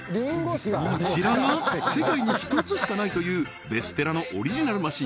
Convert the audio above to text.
こちらが世界に一つしかないというベステラのオリジナルマシン